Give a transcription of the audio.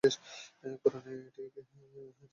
কুরআনে এটিকে জান্নাতের সাথে সম্পর্কিত করা হয়েছে।